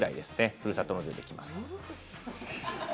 ふるさと納税できます。